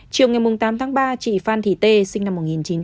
chiều ngày tám tháng ba chị phan thị tê sinh năm một nghìn chín trăm bảy mươi